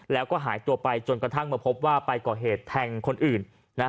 แล้วก็หายตัวไปจนกระทั่งมาพบว่าไปก่อเหตุแทงคนอื่น